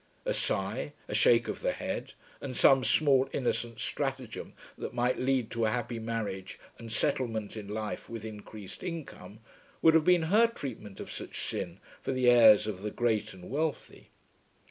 A sigh, a shake of the head, and some small innocent stratagem that might lead to a happy marriage and settlement in life with increased income, would have been her treatment of such sin for the heirs of the great and wealthy.